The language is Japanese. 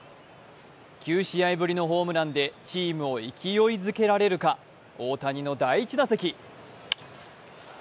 ９試合ぶりのホームランでチームを勢いづけられるか大谷の第１打席。